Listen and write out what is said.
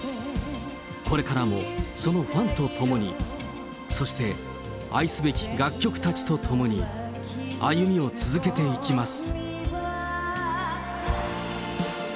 これからもそのファンと共に、そして愛すべき楽曲たちと共に、歩みを続けていきます。